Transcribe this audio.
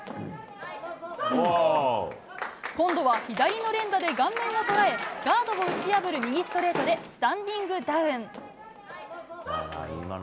今度は左の連打で顔面を捉え、ガードを打ち破る右ストレートで、スタンディングダウン。